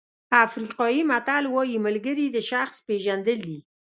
افریقایي متل وایي ملګري د شخص پېژندل دي.